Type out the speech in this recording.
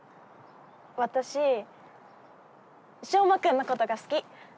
私翔真君のことが好き。